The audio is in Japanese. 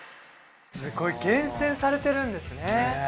すごい厳選されてるんですね。ねぇ。